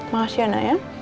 makasih ya anak ya